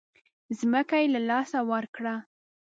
ځمکه یې له لاسه ورکړه.